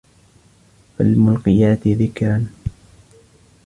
فَالمُلقِياتِ ذِكرًا